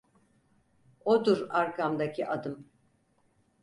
Odur arkamdaki adım.